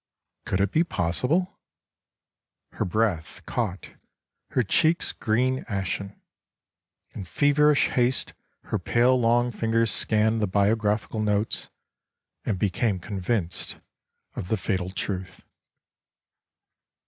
Could it be possible ? Her breath caught, her cheeks green ashen. In feverish haste her pale long fingers scanned the bio graphical notes, and became convinced of the fatal truth.